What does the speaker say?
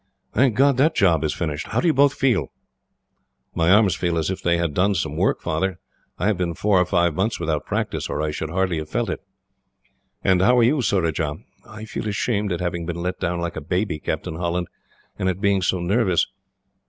"Thank God that job is finished! How do you both feel?" "My arms feel as if they had done some work, Father. I have been four or five months without practice, or I should hardly have felt it." "And how are you, Surajah?" "I feel ashamed at having been let down like a baby, Captain Holland, and at being so nervous."